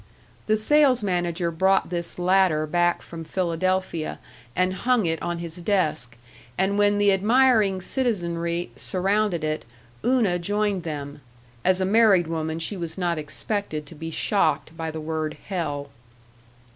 The sales manager brought this latter back from Philadelphia and hung it on his desk, and when the admiring citizenry surrounded it, Una joined them.... As a married woman she was not expected to be shocked by the word, "hell!"...